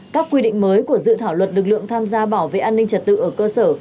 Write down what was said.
các quy định mới của dự thảo luật lực lượng tham gia bảo vệ an ninh trật tự ở cơ sở